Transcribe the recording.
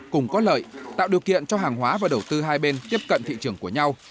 cùng có lợi tạo điều kiện cho hàng hóa và đầu tư hai bên tiếp cận thị trường của nhau